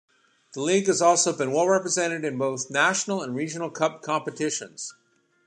The league has also been well represented in both national and regional cup competitions.